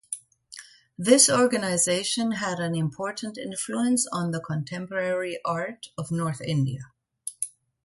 This organisation had an important influence on the contemporary art of North India.